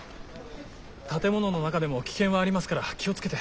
建物の中でも危険はありますから気を付けて。